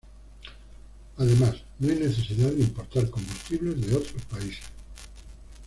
Además, no hay necesidad de importar combustibles de otros países.